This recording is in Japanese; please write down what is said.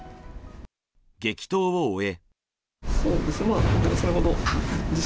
激闘を終え。